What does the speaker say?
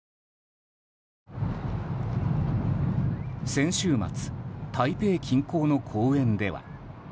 先週末台北近郊の公園では。